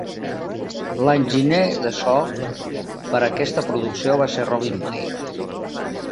L'enginyer de so per a aquesta producció va ser Robin Mai.